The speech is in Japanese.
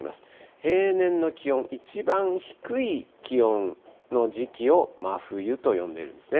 平年の気温、いちばん低い気温の時期を真冬と呼んでいるんですね。